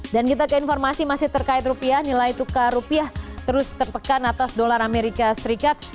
dan kita ke informasi masih terkait rupiah nilai tukar rupiah terus tertekan atas dolar amerika serikat